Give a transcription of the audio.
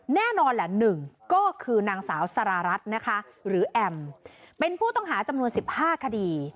แน่นอนแหละ๑ก็คือนางสาวสารารัฐนะคะหรือแอมเป็นผู้ต้องหาจำนวน๑๕คดี